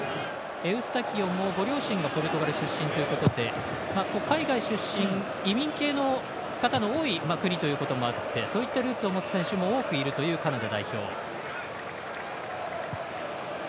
エウスタキオもご両親がポルトガル出身ということで海外出身、移民系の方の多い国ということもあってそういったルーツを持つ選手も多くいるというカナダ代表。